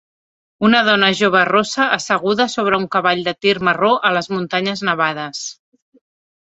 Una dona jove rossa asseguda sobre un cavall de tir marró a les muntanyes nevades.